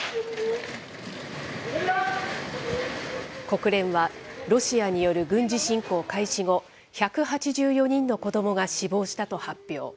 国連は、ロシアによる軍事侵攻開始後、１８４人の子どもが死亡したと発表。